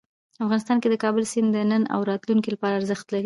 افغانستان کې د کابل سیند د نن او راتلونکي لپاره ارزښت لري.